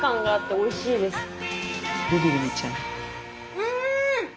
うん！